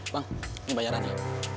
bang ini bayaran ya